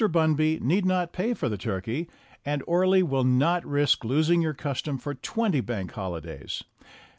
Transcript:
Bunby need not pay for the turkey, and Orley will not risk losing your custom for twenty Bank Holidays.